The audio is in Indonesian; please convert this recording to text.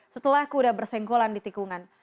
setelah kuda bersenggolan di tikungan